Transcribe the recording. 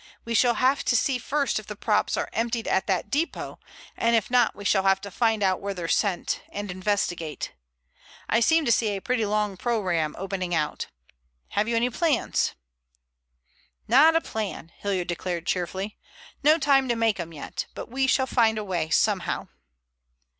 We shall have to see first if the props are emptied at that depot, and if not we shall have to find out where they're sent, and investigate. I seem to see a pretty long program opening out. Have you any plans?" "Not a plan," Hilliard declared cheerfully. "No time to make 'em yet. But we shall find a way somehow."